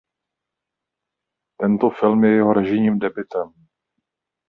Tento film je jeho režijním debutem.